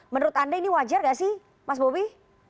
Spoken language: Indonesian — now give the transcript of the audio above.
menurut anda ini wajar gak sih mas bobi